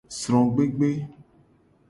Srogbegbe.